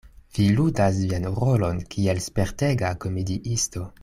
Vi ludas vian rolon kiel spertega komediisto.